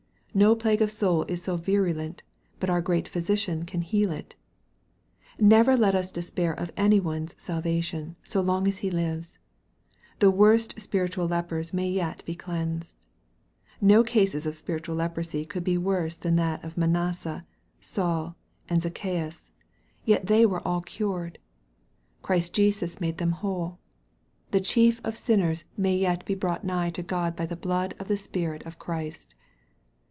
No plague of soul is so virulent but our Great Physician can heal it. Let us never despair of any one's salvation, so long as he lives. The worst of spiritual lepers may yet be cleansed. No cases of spiritual leprosy could be worse than those of Manasseh, Saul, and Zacchaeus, yet 24 EXPOSITORY THOUGHTS. they were all cured ; Jesus Christ made them whole. The chief of sinners may yet be brought nigh to Grod by the. blood and Spirit of Christ.